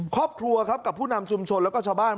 ครอบครัวครับกับผู้นำชุมชนแล้วก็ชาวบ้าน